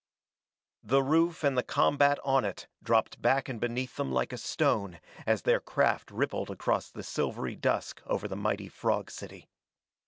The roof and the combat on it dropped back and beneath them like a stone as their craft ripped across the silvery dusk over the mighty frog city.